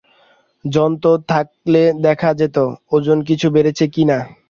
যন্ত্র থাকলে দেখা যেত, ওজন কিছু বেড়েছে কি না।